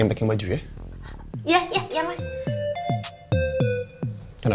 madin mau kemana